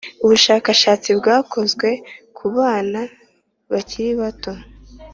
Ubushakashatsi bwakozwe ku bana bakiri bato